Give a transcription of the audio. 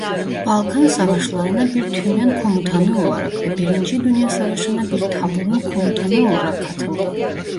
Balkan Savaşlarına bir tümen komutanı olarak ve birinci Dünya Savaşı'na bir taburun komutanı olarak katıldı.